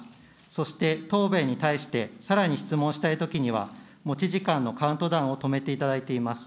そして、答弁に対してさらに質問したいときには、持ち時間のカウントダウンを止めていただいています。